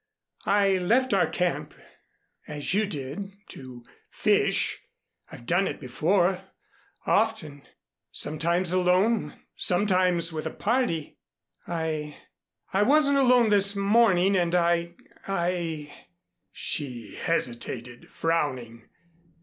I left our camp as you did, to fish. I've done it before, often. Sometimes alone sometimes with a party. I I wasn't alone this morning and I I " she hesitated, frowning.